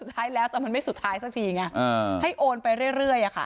แต่มันไม่สุดท้ายสักทีให้โอนไปเรื่อยค่ะ